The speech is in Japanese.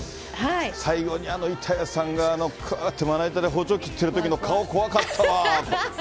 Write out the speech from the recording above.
最後にあの板谷さんが、かーっと、まな板で、包丁で切ってるときの顔怖かったわ。